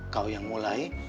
kau yang mulai